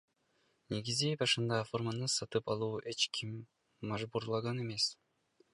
Негизи башында форманы сатып алууга эч ким мажбурлаган эмес.